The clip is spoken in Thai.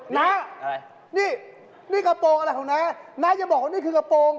น้าอะไรนี่นี่กระโปรงอะไรของน้าน้าจะบอกว่านี่คือกระโปรง